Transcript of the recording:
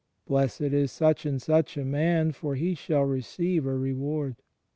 "Blessed is such and such a man, for he shall receive a reward."